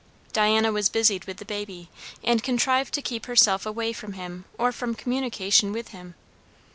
Diana was busied with the baby, and contrived to keep herself away from him or from communication with him.